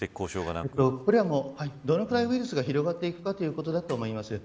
これは、どのぐらいウイルスが広がっていくかということだと思います。